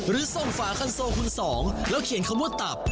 หรือส่งฝาคันโซคุณสองแล้วเขียนคำว่าตับ